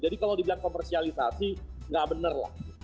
jadi kalau dibilang komersialisasi nggak bener lah